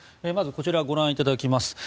まず、こちらご覧いただきます。